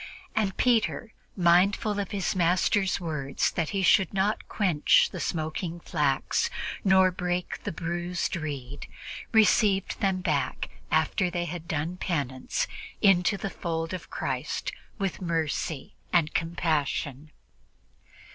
And Peter, mindful of his Master's words that he should not quench the smoking flax nor break the bruised reed, received them back, after they had done penance, into the fold of Christ with mercy and compassion.